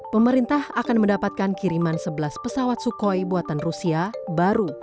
pemerintah akan mendapatkan kiriman sebelas pesawat sukhoi buatan rusia baru